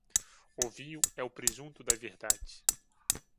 O vinho é o presunto da verdade.